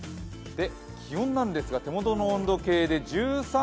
気温なんですが、手元の温度計で１３．６度。